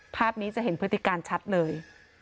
ภาพนี้จะเห็นพฤติการชัดเลย